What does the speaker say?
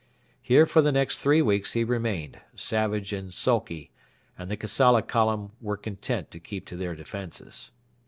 Here for the next three weeks he remained, savage and sulky; and the Kassala column were content to keep to their defences.